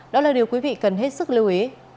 đó là điều quý vị cần hết sức lưu ý